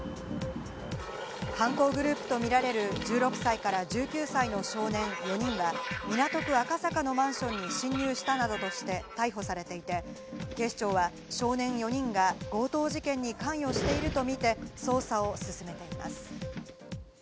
犯行グループとみられる１６歳から１９歳の少年４人は、港区赤坂のマンションに侵入したなどとして逮捕されていて、警視庁は少年４人が強盗事件に関与しているとみて捜査を進めています。